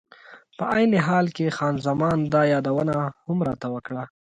په عین حال کې خان زمان دا یادونه هم راته وکړه.